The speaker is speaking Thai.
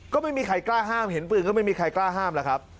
ก็ไม่มีใครกล้าห้ามเห็นปืนก็ไม่มีใครกล้าห้ามแล้วครับ